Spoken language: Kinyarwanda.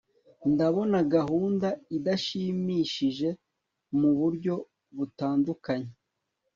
ndabona gahunda idashimishije muburyo butandukanye